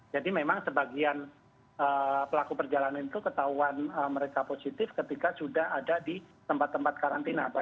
jadi memang sebagian pelaku perjalanan itu ketahuan mereka positif ketika sudah ada di tempat tempat karantina